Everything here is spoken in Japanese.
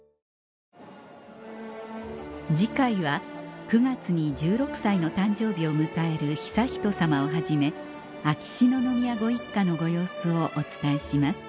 次回は９月に１６歳の誕生日を迎える悠仁さまをはじめ秋篠宮ご一家のご様子をお伝えします